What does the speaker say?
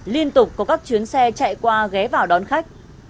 liên tục có các chuyến xe chạy qua ghé vào đón khách